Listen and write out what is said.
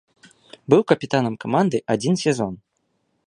Быў капітанам каманды адзін сезон.